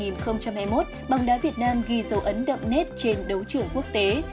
năm hai nghìn hai mươi một bóng đá việt nam ghi dấu ấn đậm nét trên đấu trường quốc tế